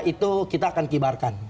itu kita akan kibarkan